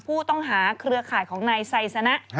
ผู้ต้องหาเครือข่ายของนายไซซะนะ